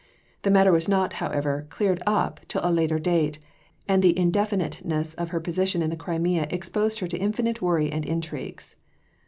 The matter was not, however, cleared up till a later date, and the indefiniteness of her position in the Crimea exposed her to infinite worry and intrigues.